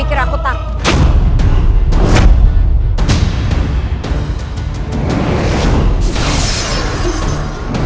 tidak ada orang di terhadap